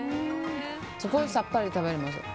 すごいさっぱり食べれます。